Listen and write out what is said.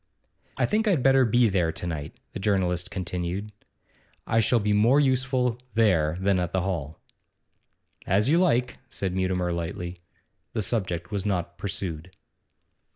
'I think I'd better be there to night,' the journalist continued. 'I shall be more useful there than at the hall.' 'As you like,' said Mutimer lightly. The subject was not pursued.